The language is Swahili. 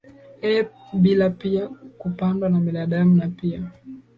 yenyewe bila kupandwa na binadamu na pia